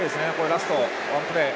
ラストワンプレー。